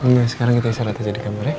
nah sekarang kita isi rata rata di kamar ya